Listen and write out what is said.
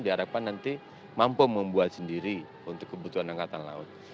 diharapkan nanti mampu membuat sendiri untuk kebutuhan angkatan laut